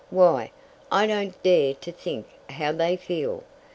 Why, I don't dare to think how they feel!